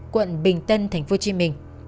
quận bình tân tp hcm